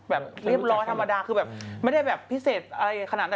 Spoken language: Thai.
แบบเรียบร้อยธรรมดาคือแบบไม่ได้แบบพิเศษอะไรขนาดนั้น